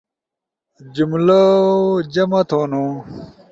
جملؤ جمع تھونو